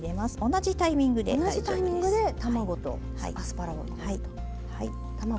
同じタイミングで卵とアスパラを。